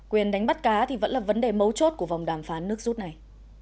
quyền đánh bắt cá thì vẫn là vấn đề mấu chốt của vòng đàm phán nước rút này